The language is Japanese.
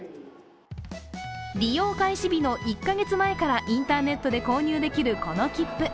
利用開始日の１カ月前からインターネットで購入できるこの切符。